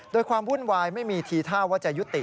โดยความวุ่นวายไม่มีทีท่าว่าจะยุติ